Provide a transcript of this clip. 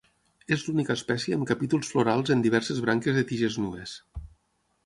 És l'única espècie amb capítols florals en diverses branques de tiges nues.